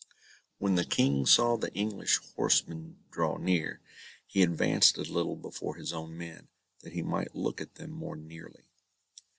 When the King saw the English horsemen draw near, he advanced a little before his own men, that he might look at them more nearly.